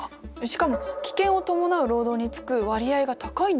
しかも危険を伴う労働につく割合が高いんです。